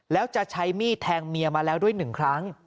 แล้วจะใช้มีดแทงเมียมาแล้วด้วย๑ครั้ง